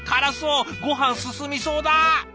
ごはん進みそうだ！